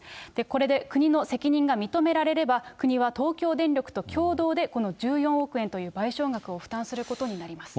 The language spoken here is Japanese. これで国の責任が認められれば、国は東京電力と共同で、この１４億円という賠償額を負担することになります。